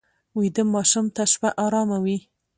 ویده ماشوم ته شپه ارامه وي